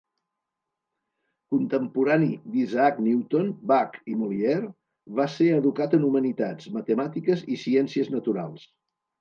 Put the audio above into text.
Contemporani d'Isaac Newton, Bach i Molière, va ser educat en humanitats, matemàtiques i ciències naturals.